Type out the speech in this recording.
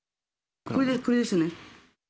これですね。